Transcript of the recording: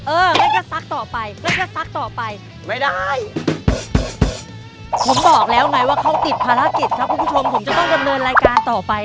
เออนี่คือสรุปที่ต่อไป